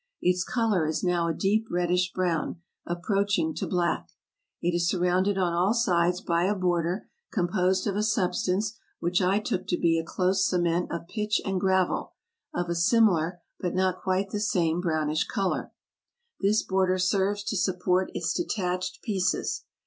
Its color is now a deep reddish brown, approaching to black. It is surrounded on all sides by a border, composed of a sub stance which I took to be a close cement of pitch and gravel, of a similar, but not quite the same, brownish color. This border serves to support its detached pieces.